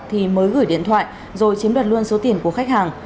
thì mới gửi điện thoại rồi chiếm đoạt luôn số tiền của khách hàng